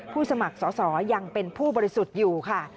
สมัครสอสอยังเป็นผู้บริสุทธิ์อยู่ค่ะ